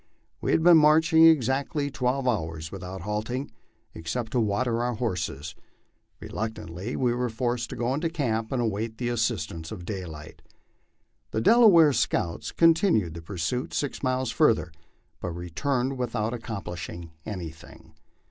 We had been marching exactly twelve hours without halting, except to water our horses. Reluctantly we were forced to go into camp and await the assistance of daylight. The Dela ware scouts continued the pursuit six miles further, but returned without ac complishing anything.